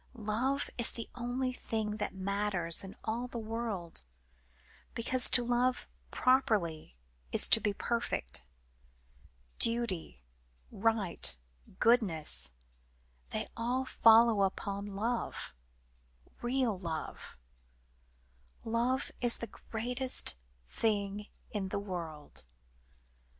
"Love is the only thing that matters in all the world, because to love properly is to be perfect. Duty, right, goodness, they all follow upon love real love. Love is the greatest thing in the world.